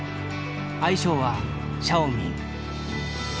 愛称はシャオミン。